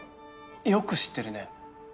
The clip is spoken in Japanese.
よく知ってるね